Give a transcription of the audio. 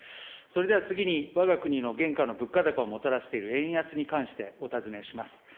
それでは次に、わが国の現下の物価高をもたらしている円安に関して、お尋ねします。